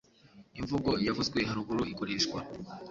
Imvugo yavuzwe haruguru ikoreshwa